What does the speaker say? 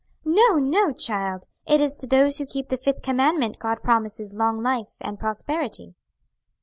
"No, no, child! It is to those who keep the fifth commandment God promises long life and prosperity."